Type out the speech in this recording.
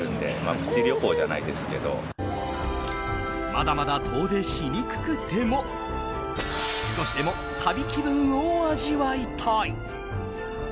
まだまだ遠出しにくくても少しでも旅気分を味わいたい。